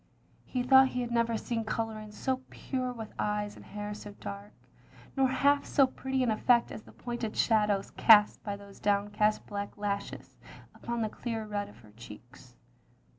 He thought he had never seen colouring so pure with eyes and hair so dark ; nor half so pretty an effect as the pointed shadows cast by those down cast black lashes upon the clear red of her cheeks.